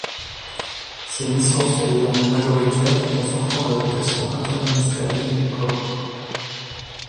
Ces missions sont désormais majoritaires, confortant la vocation interministérielle du corps.